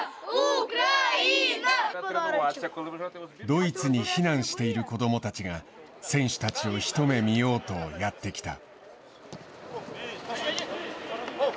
ドイツに避難している子どもたちが選手たちを一目見ようとやってきた。